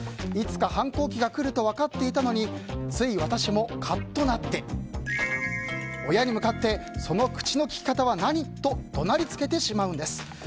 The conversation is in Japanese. いつか、反抗期が来ると分かっていたのについ、私もカッとなって親に向かってその口の利き方は何！と怒鳴りつけてしまうんです。